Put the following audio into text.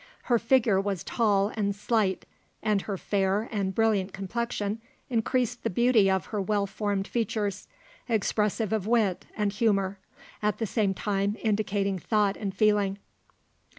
Her figure was tall and slight, and her fair and brilliant complexion increased the beauty of her well formed features, expressive of wit and humour, at the same time indicating thought and feeling.